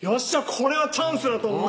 これはチャンスだと思いまして